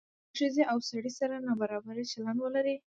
که له ښځې او سړي سره نابرابر چلند ولرو.